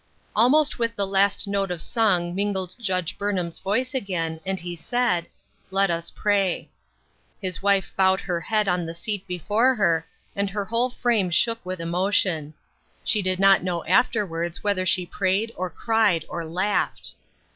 Almost with the last note of song mingled Judge Burnham's voice again, and he said, " Let us pray." His wife bowed her head on the seat before her, and her whole frame shook with emo tion. She did not know afterwards whether she prayed, or cried, or laughed.